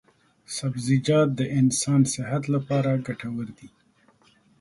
سبزیجات د انسان صحت لپاره ګټور دي.